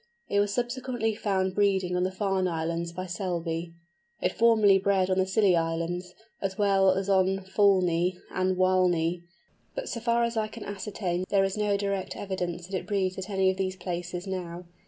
It was subsequently found breeding on the Farne Islands by Selby; it formerly bred on the Scilly Islands, as well as on Foulney and Walney; but so far as I can ascertain there is no direct evidence that it breeds at any of these places now.